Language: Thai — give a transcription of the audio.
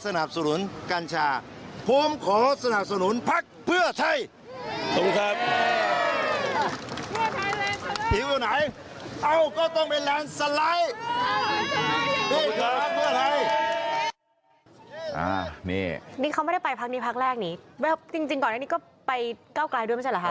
แต่จริงก่อนแรกนี่ก็ไปเก้ากลายด้วยไม่ใช่เหรอฮะ